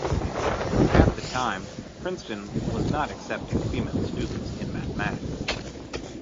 At the time Princeton was not accepting female students in mathematics.